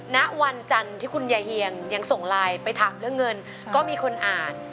ณวันจันทร์ที่คุณยายเฮียงยังส่งไลน์ไปถามเรื่องเงินก็มีคนอ่าน